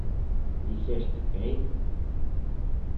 Disseste "Quem"?